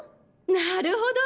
なるほど。